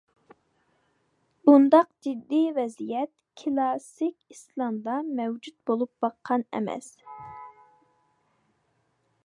بۇنداق جىددىي ۋەزىيەت كىلاسسىك ئىسلامدا مەۋجۇت بولۇپ باققان ئەمەس.